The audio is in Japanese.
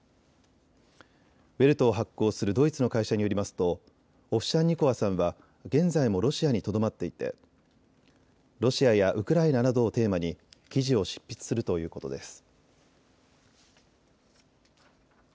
ウェルトを発行するドイツの会社によりますとオフシャンニコワさんは現在もロシアにとどまっていてロシアやウクライナなどをテーマに記事を執筆するということです。